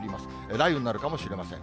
雷雨になるかもしれません。